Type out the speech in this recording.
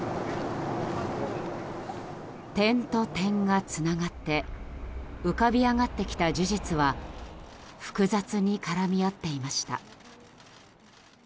点と点がつながって浮かび上がってきた事実は複雑に絡み合っていました。